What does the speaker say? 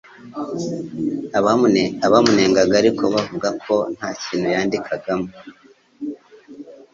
Abamunenga ariko bavuga ko nta kintu yandikagamo